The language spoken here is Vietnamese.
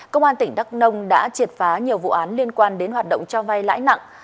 công an tỉnh đắk nông đã triệt phá nhiều vụ án liên quan đến hoạt động cho vay lãi nặng